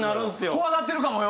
怖がってるかもよ。